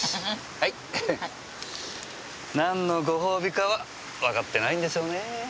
何のご褒美かはわかってないんでしょうねぇ。